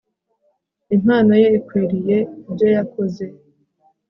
impano ye ikwiriye ibyo yakoze